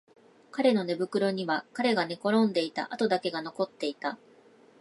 彼の寝袋には彼が寝転んでいた跡だけが残っていた